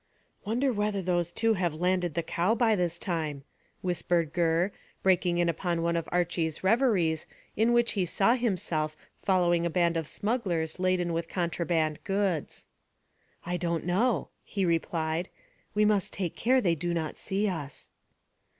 "Wonder whether those two have landed the cow by this time?" whispered Gurr, breaking in upon one of Archy's reveries, in which he saw himself following a band of smugglers laden with contraband goods. "I don't know," he replied. "We must take care they do not see us."